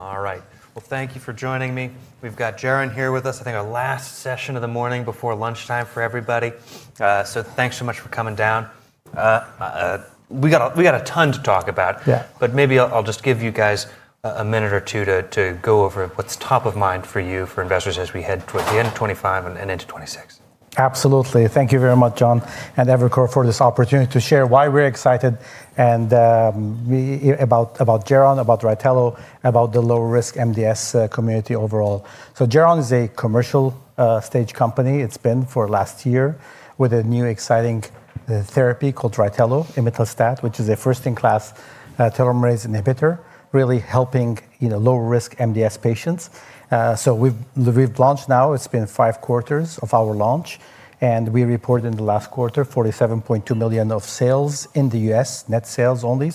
All right. Thank you for joining me. We've got Geron here with us. I think our last session of the morning before lunchtime for everybody. Thank you so much for coming down. We've got a ton to talk about. Yeah. Maybe I'll just give you guys a minute or two to go over what's top of mind for you, for investors, as we head towards the end of 2025 and into 2026. Absolutely. Thank you very much, John and Evercore, for this opportunity to share why we're excited about Geron, about RYTELO, about the low-risk MDS community overall. Geron is a commercial-stage company. It's been for the last year with a new, exciting therapy called RYTELO, imetelstat, which is a first-in-class telomerase inhibitor, really helping low-risk MDS patients. We've launched now. It's been five quarters of our launch. We reported in the last quarter $47.2 million of sales in the U.S., net sales only.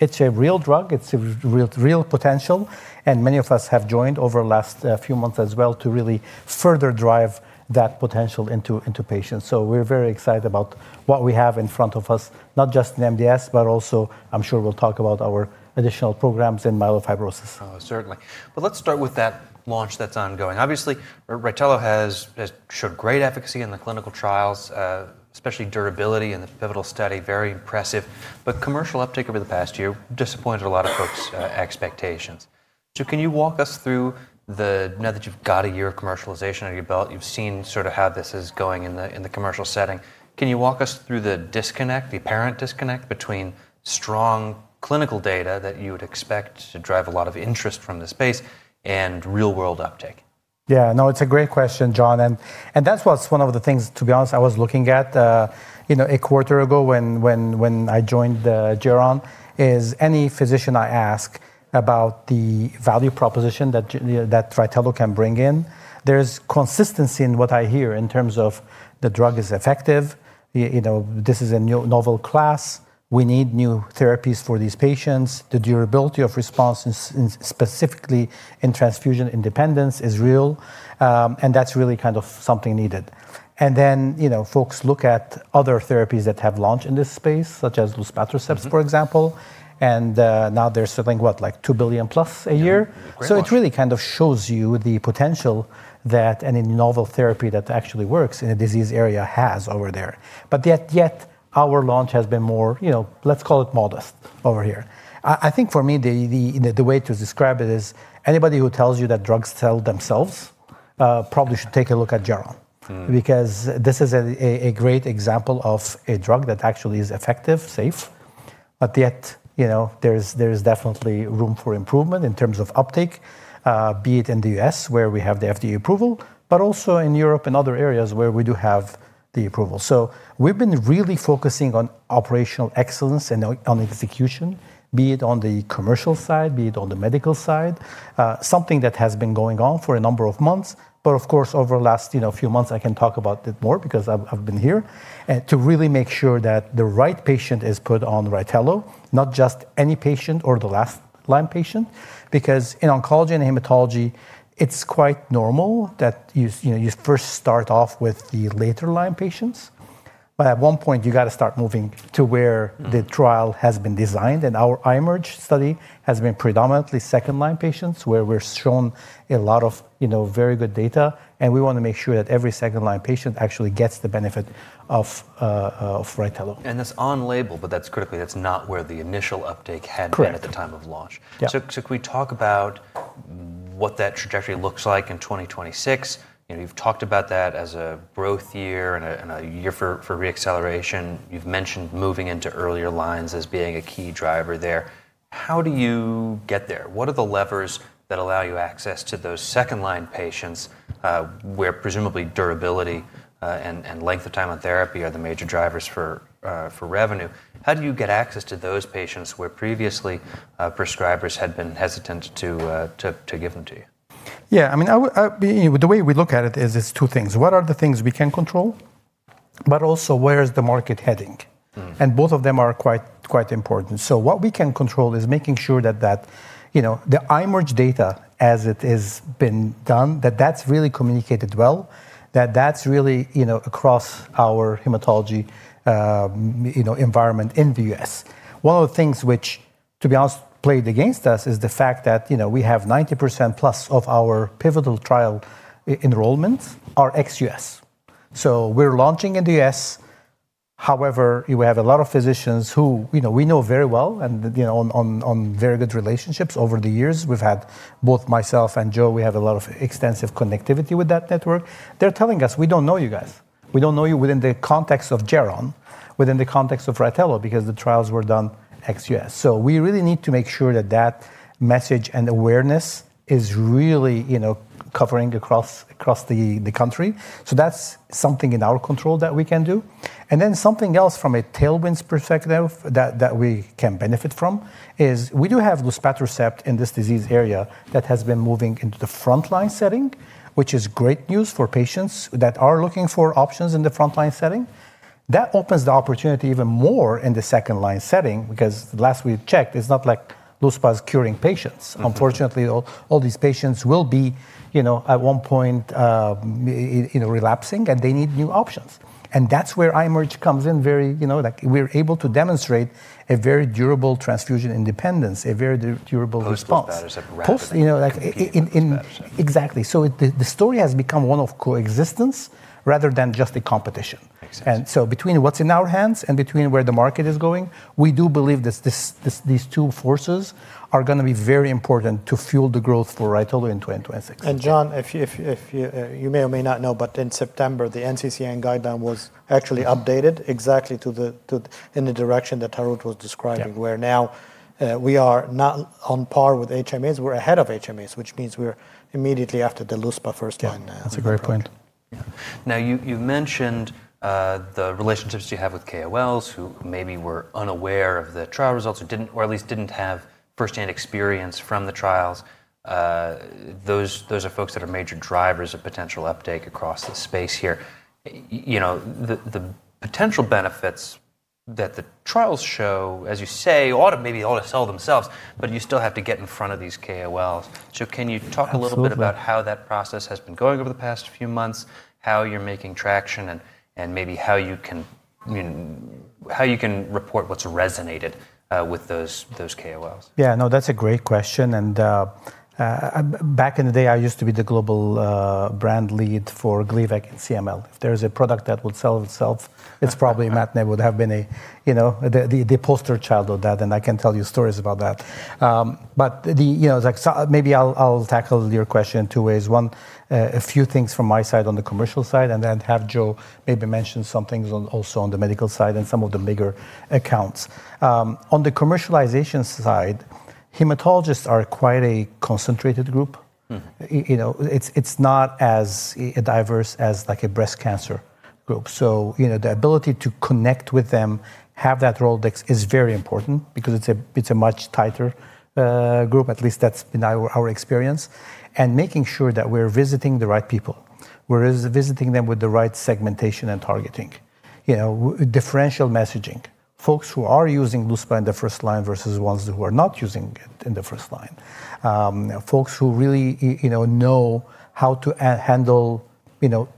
It's a real drug. It's a real potential. Many of us have joined over the last few months as well to really further drive that potential into patients. We're very excited about what we have in front of us, not just in MDS, but also, I'm sure we'll talk about our additional programs in myelofibrosis. Oh, certainly. Let's start with that launch that's ongoing. Obviously, RYTELO has showed great efficacy in the clinical trials, especially durability in the pivotal study, very impressive. Commercial uptake over the past year disappointed a lot of folks' expectations. Can you walk us through the now that you've got a year of commercialization under your belt, you've seen sort of how this is going in the commercial setting. Can you walk us through the disconnect, the apparent disconnect between strong clinical data that you would expect to drive a lot of interest from the space and real-world uptake? Yeah. No, it's a great question, John. That's what's one of the things, to be honest, I was looking at a quarter ago when I joined Geron, is any physician I ask about the value proposition that RYTELO can bring in, there's consistency in what I hear in terms of the drug is effective. This is a novel class. We need new therapies for these patients. The durability of response, specifically in transfusion independence, is real. That's really kind of something needed. Then folks look at other therapies that have launched in this space, such as Luspatercept, for example. Now they're selling what, like $2 billion plus a year. It really kind of shows you the potential that any novel therapy that actually works in a disease area has over there. Yet our launch has been more, let's call it modest over here. I think for me, the way to describe it is anybody who tells you that drugs sell themselves probably should take a look at Geron, because this is a great example of a drug that actually is effective, safe. Yet there is definitely room for improvement in terms of uptake, be it in the U.S., where we have the FDA approval, but also in Europe and other areas where we do have the approval. We have been really focusing on operational excellence and on execution, be it on the commercial side, be it on the medical side, something that has been going on for a number of months. Of course, over the last few months, I can talk about it more because I have been here, to really make sure that the right patient is put on RYTELO, not just any patient or the last-line patient. Because in oncology and hematology, it's quite normal that you first start off with the later-line patients. At one point, you've got to start moving to where the trial has been designed. Our IMerge study has been predominantly second-line patients, where we've shown a lot of very good data. We want to make sure that every second-line patient actually gets the benefit of RYTELO. That is on label, but critically, that is not where the initial uptake had been at the time of launch. Correct. Can we talk about what that trajectory looks like in 2026? You've talked about that as a growth year and a year for reacceleration. You've mentioned moving into earlier lines as being a key driver there. How do you get there? What are the levers that allow you access to those second-line patients where presumably durability and length of time on therapy are the major drivers for revenue? How do you get access to those patients where previously prescribers had been hesitant to give them to you? Yeah. I mean, the way we look at it is it's two things. What are the things we can control, but also where is the market heading? Both of them are quite important. What we can control is making sure that the IMerge data as it has been done, that that's really communicated well, that that's really across our hematology environment in the U.S. One of the things which, to be honest, played against us is the fact that we have 90% plus of our pivotal trial enrollments are ex-U.S. We are launching in the U.S. However, we have a lot of physicians who we know very well and on very good relationships over the years. We've had both myself and Joe, we have a lot of extensive connectivity with that network. They're telling us, "We don't know you guys. We don't know you within the context of Geron, within the context of RYTELO, because the trials were done ex-U.S. We really need to make sure that that message and awareness is really covering across the country. That is something in our control that we can do. Something else from a tailwinds perspective that we can benefit from is we do have Luspatercept in this disease area that has been moving into the front-line setting, which is great news for patients that are looking for options in the front-line setting. That opens the opportunity even more in the second-line setting, because last we checked, it's not like Luspa is curing patients. Unfortunately, all these patients will be at one point relapsing, and they need new options. That is where IMerge comes in. We are able to demonstrate a very durable transfusion independence, a very durable response. Like a replica. Exactly. The story has become one of coexistence rather than just a competition. Between what's in our hands and between where the market is going, we do believe that these two forces are going to be very important to fuel the growth for RYTELO in 2026. John, you may or may not know, but in September, the NCCN guideline was actually updated exactly in the direction that Harout was describing, where now we are not on par with HMAs. We are ahead of HMAs, which means we are immediately after the Luspatercept first-line line. That's a great point. Now, you've mentioned the relationships you have with KOLs who maybe were unaware of the trial results, or at least didn't have first-hand experience from the trials. Those are folks that are major drivers of potential uptake across the space here. The potential benefits that the trials show, as you say, maybe they ought to sell themselves, but you still have to get in front of these KOLs. Can you talk a little bit about how that process has been going over the past few months, how you're making traction, and maybe how you can report what's resonated with those KOLs? Yeah. No, that's a great question. Back in the day, I used to be the global brand lead for Gleevec and CML. If there is a product that would sell itself, it's probably Matt Nay would have been the poster child of that. I can tell you stories about that. Maybe I'll tackle your question in two ways. One, a few things from my side on the commercial side, and then have Joe maybe mention some things also on the medical side and some of the bigger accounts. On the commercialization side, hematologists are quite a concentrated group. It's not as diverse as a breast cancer group. The ability to connect with them, have that role is very important because it's a much tighter group, at least that's been our experience, and making sure that we're visiting the right people. We're visiting them with the right segmentation and targeting, differential messaging, folks who are using Luspatercept in the first line versus ones who are not using it in the first line, folks who really know how to handle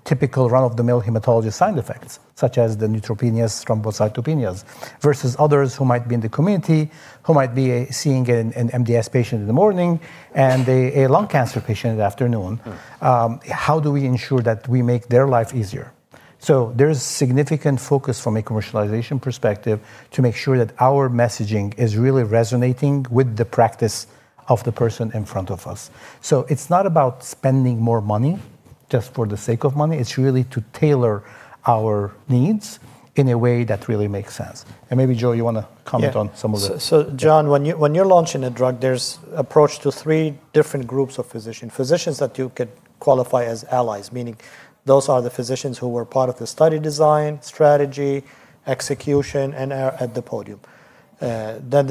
typical run-of-the-mill hematology side effects, such as the neutropenias, thrombocytopenias, versus others who might be in the community, who might be seeing an MDS patient in the morning and a lung cancer patient in the afternoon. How do we ensure that we make their life easier? There is significant focus from a commercialization perspective to make sure that our messaging is really resonating with the practice of the person in front of us. It is not about spending more money just for the sake of money. It is really to tailor our needs in a way that really makes sense. Maybe, Joe, you want to comment on some of those. John, when you're launching a drug, there's an approach to three different groups of physicians, physicians that you could qualify as allies, meaning those are the physicians who were part of the study design, strategy, execution, and are at the podium.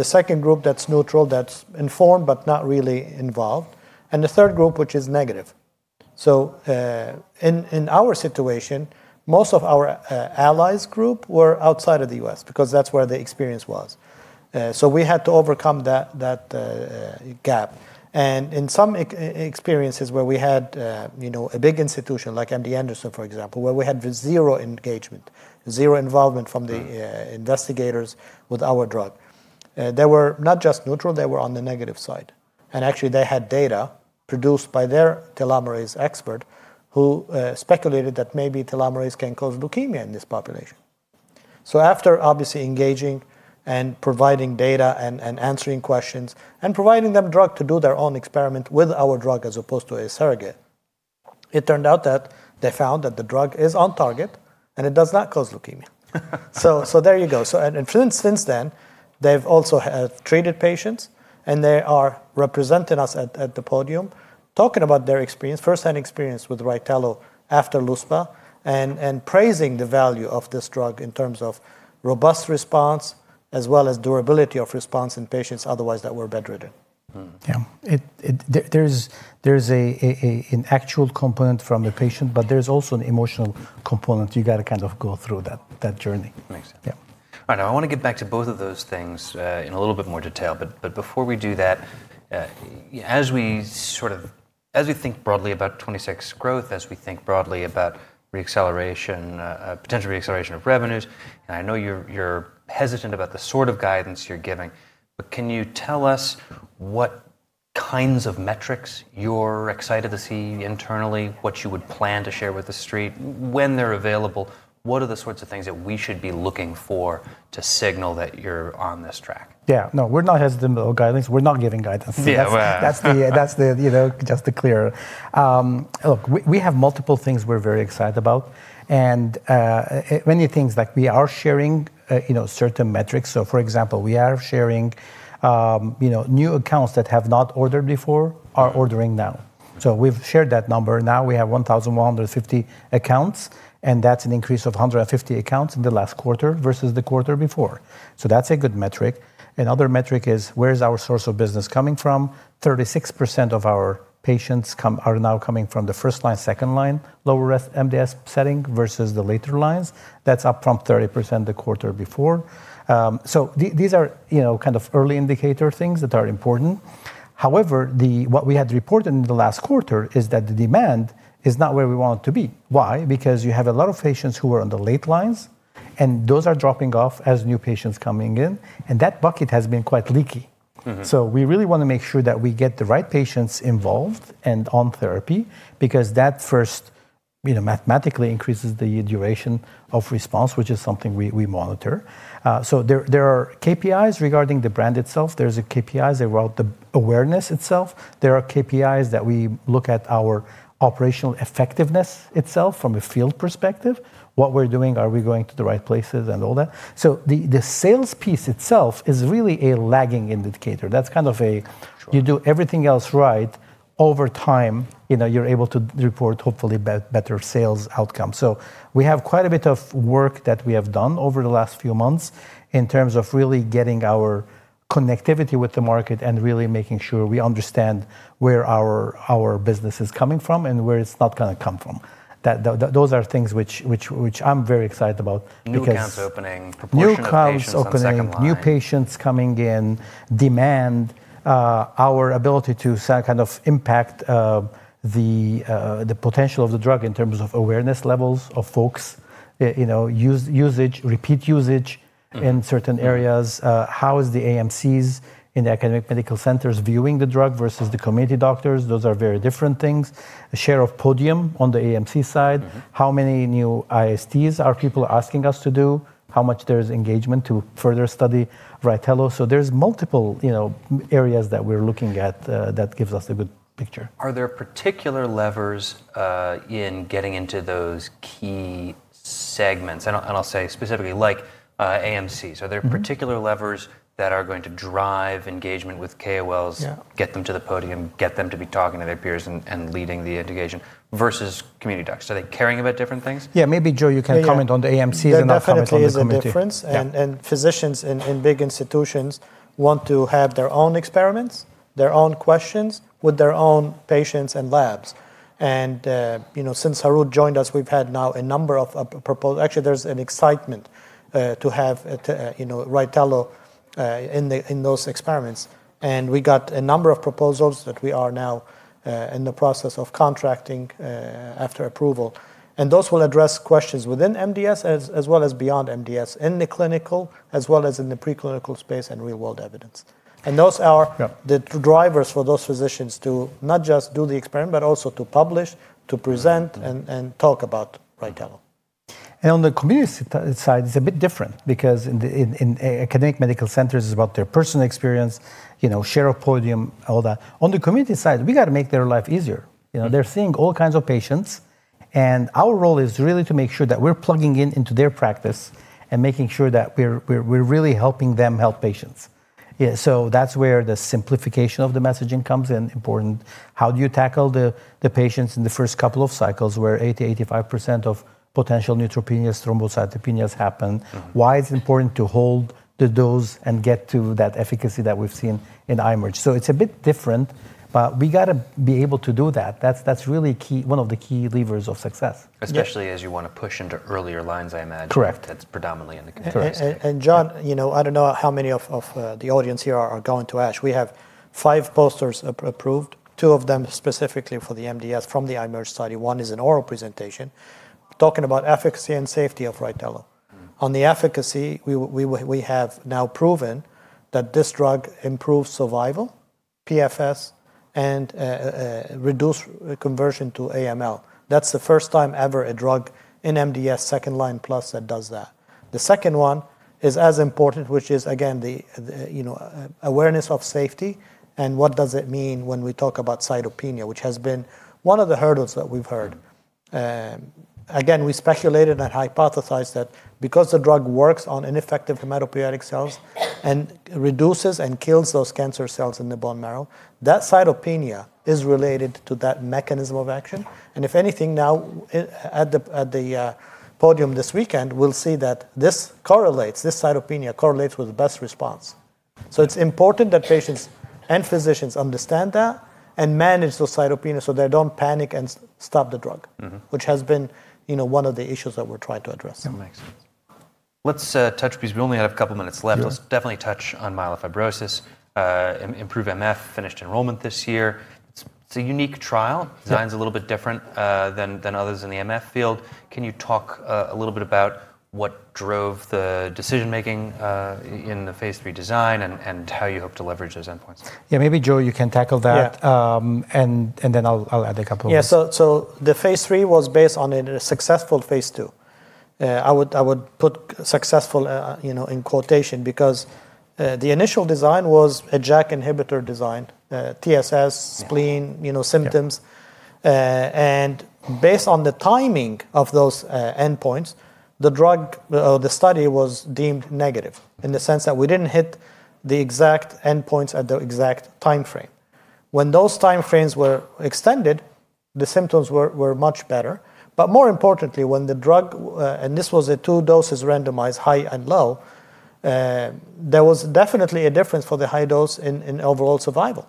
The second group that's neutral, that's informed but not really involved. The third group, which is negative. In our situation, most of our allies' group were outside of the U.S. because that's where the experience was. We had to overcome that gap. In some experiences where we had a big institution like MD Anderson, for example, where we had zero engagement, zero involvement from the investigators with our drug, they were not just neutral. They were on the negative side. Actually, they had data produced by their telomerase expert who speculated that maybe telomerase can cause leukemia in this population. After obviously engaging and providing data and answering questions and providing them a drug to do their own experiment with our drug as opposed to a surrogate, it turned out that they found that the drug is on target and it does not cause leukemia. There you go. Since then, they have also treated patients, and they are representing us at the podium, talking about their experience, first-hand experience with RYTELO after Luspatercept, and praising the value of this drug in terms of robust response as well as durability of response in patients otherwise that were bedridden. Yeah. There's an actual component from the patient, but there's also an emotional component. You've got to kind of go through that journey. Makes sense. All right. Now, I want to get back to both of those things in a little bit more detail. Before we do that, as we sort of think broadly about 2026 growth, as we think broadly about reacceleration, potential reacceleration of revenues, and I know you're hesitant about the sort of guidance you're giving, can you tell us what kinds of metrics you're excited to see internally, what you would plan to share with the street? When they're available, what are the sorts of things that we should be looking for to signal that you're on this track? Yeah. No, we're not hesitant about guidance. We're not giving guidance. That's just the clear. Look, we have multiple things we're very excited about. And many things, like we are sharing certain metrics. For example, we are sharing new accounts that have not ordered before are ordering now. We have shared that number. Now we have 1,150 accounts, and that's an increase of 150 accounts in the last quarter versus the quarter before. That's a good metric. Another metric is where is our source of business coming from? 36% of our patients are now coming from the first-line, second-line, lower MDS setting versus the later lines. That's up from 30% the quarter before. These are kind of early indicator things that are important. However, what we had reported in the last quarter is that the demand is not where we want it to be. Why? Because you have a lot of patients who are on the late lines, and those are dropping off as new patients coming in. That bucket has been quite leaky. We really want to make sure that we get the right patients involved and on therapy because that first mathematically increases the duration of response, which is something we monitor. There are KPIs regarding the brand itself. There are KPIs about the awareness itself. There are KPIs that we look at our operational effectiveness itself from a field perspective. What we're doing, are we going to the right places and all that? The sales piece itself is really a lagging indicator. That's kind of a you do everything else right, over time, you're able to report hopefully better sales outcomes. We have quite a bit of work that we have done over the last few months in terms of really getting our connectivity with the market and really making sure we understand where our business is coming from and where it's not going to come from. Those are things which I'm very excited about because. New accounts opening, proportional accounts opening. New accounts opening, new patients coming in, demand, our ability to kind of impact the potential of the drug in terms of awareness levels of folks, usage, repeat usage in certain areas. How is the AMCs in the academic medical centers viewing the drug versus the community doctors? Those are very different things. The share of podium on the AMC side, how many new ISTs are people asking us to do? How much there is engagement to further study RYTELO? There are multiple areas that we're looking at that gives us a good picture. Are there particular levers in getting into those key segments? I'll say specifically, like AMCs. Are there particular levers that are going to drive engagement with KOLs, get them to the podium, get them to be talking to their peers and leading the education versus community docs? Are they caring about different things? Yeah. Maybe, Joe, you can comment on the AMCs and not comment on the community. There's definitely a difference. Physicians in big institutions want to have their own experiments, their own questions with their own patients and labs. Since Harout joined us, we've had now a number of actually, there's an excitement to have RYTELO in those experiments. We got a number of proposals that we are now in the process of contracting after approval. Those will address questions within MDS as well as beyond MDS in the clinical as well as in the preclinical space and real-world evidence. Those are the drivers for those physicians to not just do the experiment, but also to publish, to present, and talk about RYTELO. On the community side, it's a bit different because in academic medical centers, it's about their personal experience, share of podium, all that. On the community side, we've got to make their life easier. They're seeing all kinds of patients. Our role is really to make sure that we're plugging into their practice and making sure that we're really helping them help patients. That's where the simplification of the messaging comes in important. How do you tackle the patients in the first couple of cycles where 80%-85% of potential neutropenias, thrombocytopenias happen? Why it's important to hold the dose and get to that efficacy that we've seen in IMerge. It's a bit different, but we've got to be able to do that. That's really one of the key levers of success. Especially as you want to push into earlier lines, I imagine. Correct. That's predominantly in the community. Correct. John, I do not know how many of the audience here are going to ask. We have five posters approved, two of them specifically for the MDS from the IMerge study. One is an oral presentation talking about efficacy and safety of RYTELO. On the efficacy, we have now proven that this drug improves survival, PFS, and reduces conversion to AML. That is the first time ever a drug in MDS second-line plus that does that. The second one is as important, which is, again, the awareness of safety and what does it mean when we talk about cytopenia, which has been one of the hurdles that we have heard. Again, we speculated and hypothesized that because the drug works on ineffective hematopoietic cells and reduces and kills those cancer cells in the bone marrow, that cytopenia is related to that mechanism of action. If anything, now at the podium this weekend, we'll see that this correlates, this cytopenia correlates with the best response. It's important that patients and physicians understand that and manage those cytopenias so they don't panic and stop the drug, which has been one of the issues that we're trying to address. That makes sense. Let's touch because we only have a couple of minutes left. Let's definitely touch on myelofibrosis, IMpactMF, finished enrollment this year. It's a unique trial. Design's a little bit different than others in the MF field. Can you talk a little bit about what drove the decision-making in the phase three design and how you hope to leverage those endpoints? Yeah. Maybe, Joe, you can tackle that. Then I'll add a couple of. Yeah. The phase three was based on a successful phase two. I would put successful in quotation because the initial design was a JAK inhibitor design, TSS, spleen symptoms. Based on the timing of those endpoints, the drug or the study was deemed negative in the sense that we did not hit the exact endpoints at the exact time frame. When those time frames were extended, the symptoms were much better. More importantly, when the drug, and this was a two doses randomized, high and low, there was definitely a difference for the high dose in overall survival.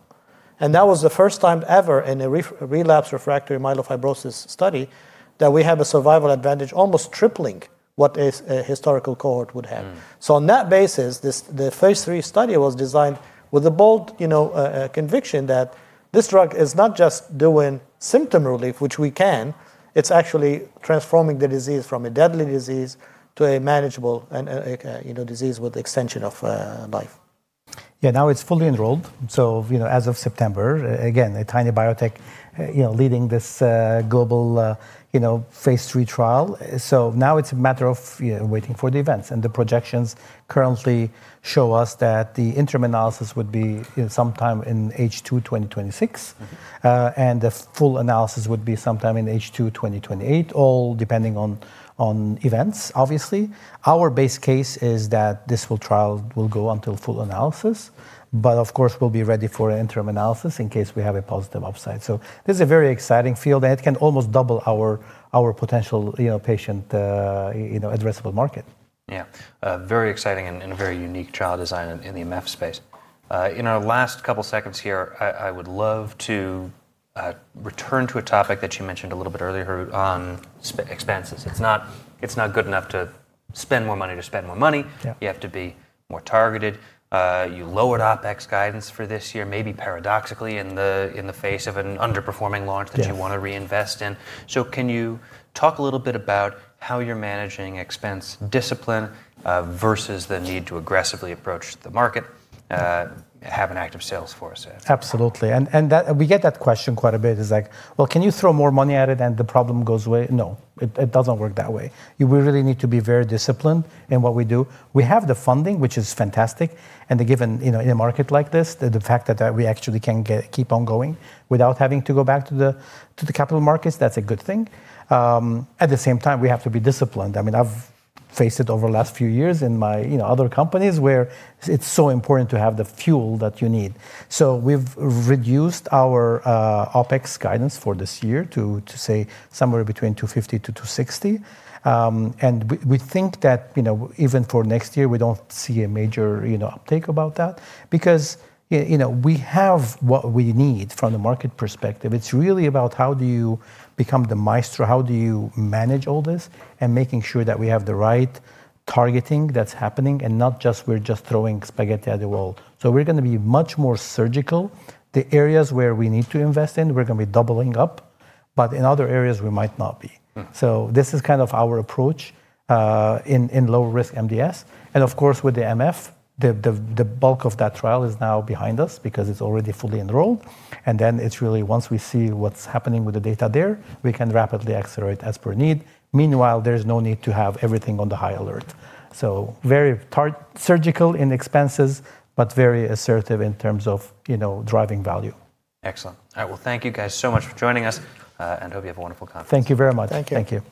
That was the first time ever in a relapse refractory myelofibrosis study that we have a survival advantage almost tripling what a historical cohort would have. On that basis, the phase three study was designed with the bold conviction that this drug is not just doing symptom relief, which we can. It is actually transforming the disease from a deadly disease to a manageable disease with extension of life. Yeah. Now it's fully enrolled. As of September, again, a tiny biotech leading this global phase 3 trial. Now it's a matter of waiting for the events. The projections currently show us that the interim analysis would be sometime in H2 2026. The full analysis would be sometime in H2 2028, all depending on events, obviously. Our base case is that this trial will go until full analysis. Of course, we'll be ready for interim analysis in case we have a positive upside. This is a very exciting field. It can almost double our potential patient addressable market. Yeah. Very exciting and very unique trial design in the MF space. In our last couple of seconds here, I would love to return to a topic that you mentioned a little bit earlier on expenses. It's not good enough to spend more money to spend more money. You have to be more targeted. You lowered OpEx guidance for this year, maybe paradoxically in the face of an underperforming launch that you want to reinvest in. Can you talk a little bit about how you're managing expense discipline versus the need to aggressively approach the market, have an active sales force? Absolutely. We get that question quite a bit, like, can you throw more money at it and the problem goes away? No. It does not work that way. We really need to be very disciplined in what we do. We have the funding, which is fantastic. Given in a market like this, the fact that we actually can keep on going without having to go back to the capital markets, that is a good thing. At the same time, we have to be disciplined. I mean, I have faced it over the last few years in my other companies where it is so important to have the fuel that you need. We have reduced our OpEx guidance for this year to say somewhere between $250 million-$260 million. We think that even for next year, we do not see a major uptake about that because we have what we need from the market perspective. It is really about how do you become the maestro, how do you manage all this, and making sure that we have the right targeting that is happening and not just we are just throwing spaghetti at the wall. We are going to be much more surgical. The areas where we need to invest in, we are going to be doubling up. In other areas, we might not be. This is kind of our approach in low-risk MDS. Of course, with the MF, the bulk of that trial is now behind us because it is already fully enrolled. Once we see what is happening with the data there, we can rapidly accelerate as per need. Meanwhile, there's no need to have everything on the high alert. Very surgical in expenses, but very assertive in terms of driving value. Excellent. All right. Thank you guys so much for joining us. Hope you have a wonderful conference. Thank you very much. Thank you.